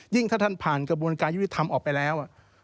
ถ้าท่านผ่านกระบวนการยุติธรรมออกไปแล้ว